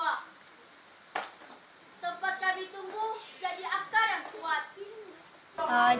jadi akar yang kuat